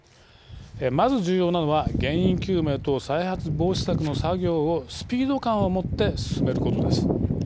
まず重要なのは原因究明と再発防止策の作業をスピード感をもって進めることです。